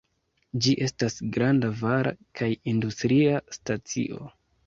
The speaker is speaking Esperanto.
Ĝi estas granda vara kaj industria stacio.